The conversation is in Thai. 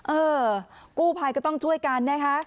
เออกู้ภัยก็ต้องช่วยกันนะคะ